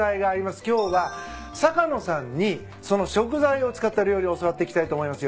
今日は坂野さんにその食材を使った料理教わっていきたいと思います。